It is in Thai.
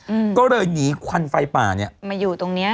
อืมก็เลยหนีควันไฟป่าเนี้ยมาอยู่ตรงเนี้ย